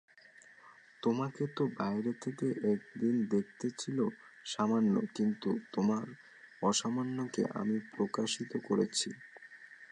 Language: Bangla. তোমাকে তো বাইরে থেকে একদিন দেখতে ছিল সামান্য কিন্তু তোমার অসামান্যকে আমি প্রকাশিত করেছি।